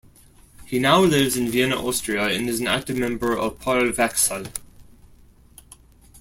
He now lives in Vienna, Austria and is an active member of Polwechsel.